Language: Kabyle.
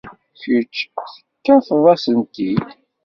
Kečč tettakeḍ-asen-t-id.